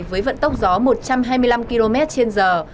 với vận tốc gió một trăm hai mươi năm km trên giờ